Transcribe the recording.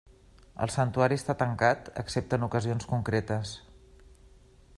El santuari està tancat excepte en ocasions concretes.